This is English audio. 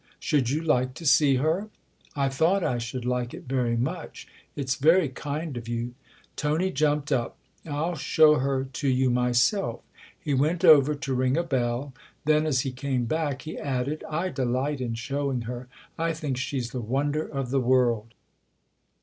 Should you like to see her ?"" I thought I should like it very much. It's very kind of you." Tony jumped up. " I'll show her to you myself." He went over to ring a bell ; then, as he came back, he added :" I delight in showing her. 1 think she's the wonder of the world."